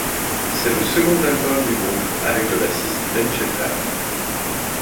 C'est le second album du groupe avec le bassiste Ben Shepherd.